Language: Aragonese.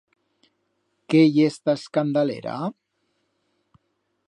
Qué ye esta escandalera?